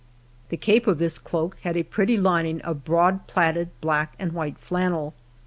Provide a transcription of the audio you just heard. The cape of this cloak had n pretty lining of broad plaided black and white flannel.